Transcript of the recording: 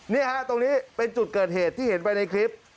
นี่ฮะตรงนี้เป็นจุดเกิดเหตุที่เห็นไปในคลิป